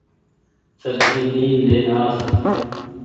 سرڪي ڀي لين آس۔